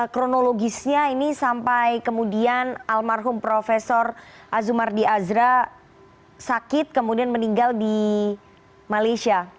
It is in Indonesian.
kronologisnya ini sampai kemudian almarhum prof azumardi azra sakit kemudian meninggal di malaysia